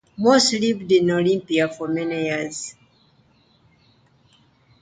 Morse lived in Olympia for many years.